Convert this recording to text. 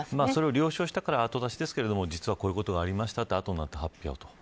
了承したから後出しですが実はこういうことがありましたと後になって発表になったと。